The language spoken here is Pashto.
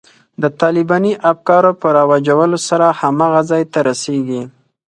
د طالباني افکارو په رواجولو سره هماغه ځای ته رسېږي.